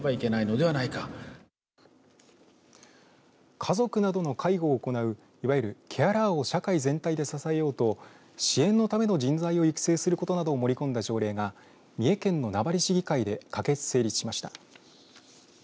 家族などの介護を行ういわゆる、ケアラーを社会全体で支えようと支援のための人材を育成することなどを盛り込んだ条例が三重県の名張市議会で可決、成立しました。